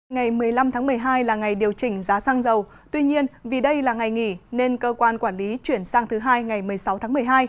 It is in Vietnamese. ngày một mươi năm tháng một mươi hai là ngày điều chỉnh giá xăng dầu tuy nhiên vì đây là ngày nghỉ nên cơ quan quản lý chuyển sang thứ hai ngày một mươi sáu tháng một mươi hai